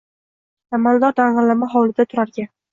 Amaldor dang`illama hovlida turarkan